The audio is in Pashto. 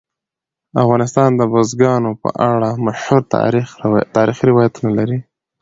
افغانستان د بزګانو په اړه مشهور تاریخي روایتونه لري.